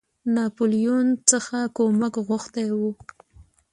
ناپولیون څخه کومک غوښتی وو.